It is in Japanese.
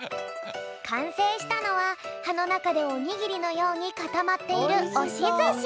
かんせいしたのははのなかでおにぎりのようにかたまっているおしずし！